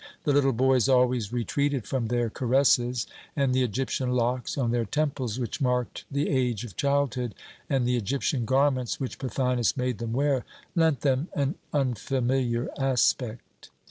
The little boys always retreated from their caresses, and the Egyptian locks on their temples, which marked the age of childhood, and the Egyptian garments which Pothinus made them wear, lent them an unfamiliar aspect.